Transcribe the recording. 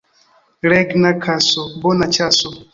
Regna kaso — bona ĉaso.